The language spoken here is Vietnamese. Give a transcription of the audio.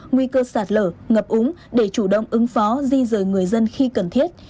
nguy cơ sạt lở ngập úng để chủ động ứng phó di rời người dân khi cần thiết